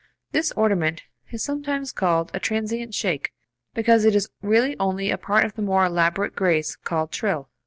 This ornament is sometimes called a "transient shake" because it is really only a part of the more elaborate grace called "trill."